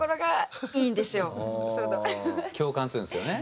共感するんですよね。